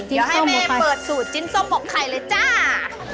เดี๋ยวให้แม่เปิดสูตรจิ้นส้มของไข่เลยจ้า